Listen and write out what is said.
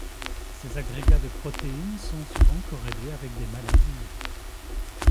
Ces agrégats de protéines sont souvent corrélés avec des maladies.